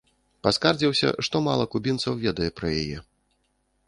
Паскардзіўся, што мала кубінцаў ведае пра яе.